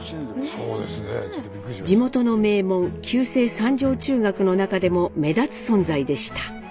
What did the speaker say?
地元の名門旧制三条中学の中でも目立つ存在でした。